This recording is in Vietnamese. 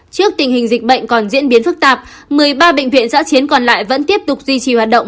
trước tình hình dịch bệnh còn diễn biến phức tạp một mươi ba bệnh viện giã chiến còn lại vẫn tiếp tục duy trì hoạt động